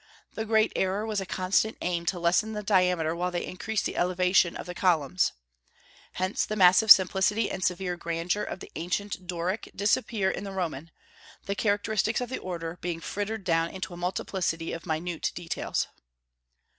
The great error was a constant aim to lessen the diameter while they increased the elevation of the columns. Hence the massive simplicity and severe grandeur of the ancient Doric disappear in the Roman, the characteristics of the order being frittered down into a multiplicity of minute details."